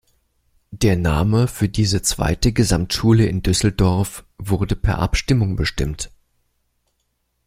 Der Name für diese zweite Gesamtschule in Düsseldorf wurde per Abstimmung bestimmt.